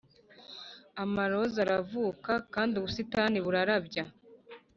amaroza aravuka kandi ubusitani burabya;